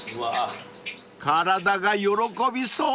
［体が喜びそう］